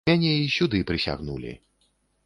Мяне і сюды прысягнулі.